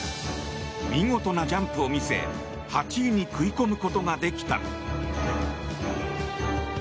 見事なジャンプを見せ８位に食い込むことができた。